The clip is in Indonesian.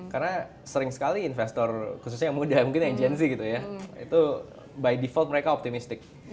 karena sering sekali investor khususnya yang muda mungkin yang gen z gitu ya itu by default mereka optimistik